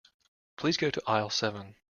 Please go to aisle seven.